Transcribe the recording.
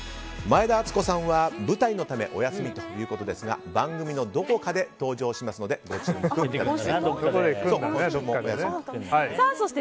前田敦子さんは舞台のためお休みということですが番組のどこかで登場しますのでご注目ください。